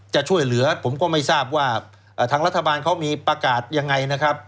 จะช่วยเหลือผมก็ไม่ทราบว่าทางรัฐบาลเขามีประกาศยังไงนะครับ